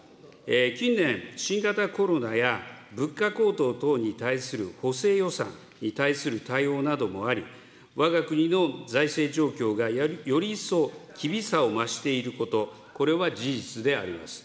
近年、新型コロナや物価高騰等に対する補正予算に対する対応などもあり、わが国の財政状況がより一層厳しさを増していること、これは事実であります。